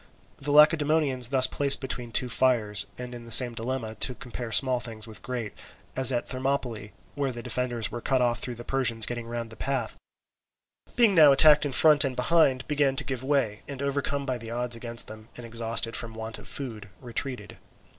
The Lacedaemonians thus placed between two fires, and in the same dilemma, to compare small things with great, as at Thermopylae, where the defenders were cut off through the Persians getting round by the path, being now attacked in front and behind, began to give way, and overcome by the odds against them and exhausted from want of food, retreated.